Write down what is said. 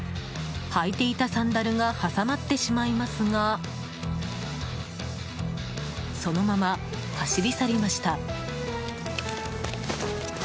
履いていたサンダルが挟まってしまいますがそのまま走り去りました。